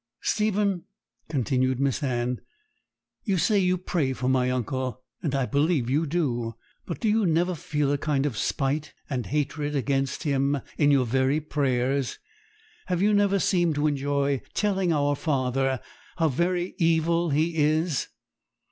'Stephen,' continued Miss Anne, 'you say you pray for my uncle, and I believe you do; but do you never feel a kind of spite and hatred against him in your very prayers? Have you never seemed to enjoy telling our Father how very evil he is?'